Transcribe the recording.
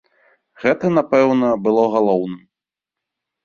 Гэта, напэўна, было галоўным.